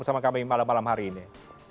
bersama kami malam malam hari ini